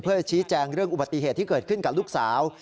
เพื่อชี้แจงเรื่องอุบัติเหตุที่เกิดขึ้นกับลูกสาว